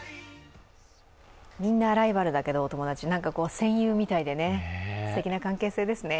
みんなライバルだけどお友達、なんか戦友みたいですてきな関係性ですね。